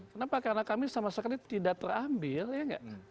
kenapa karena kami sama sekali tidak terambil ya nggak